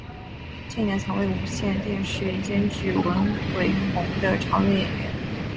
近年曾为无线电视监制文伟鸿的常用演员。